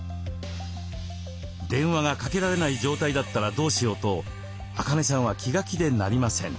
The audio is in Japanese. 電話がかけられない状態だったらどうしようとアカネさんは気が気でなりません。